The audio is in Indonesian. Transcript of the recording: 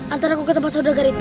antara aku ke tempat saudagar itu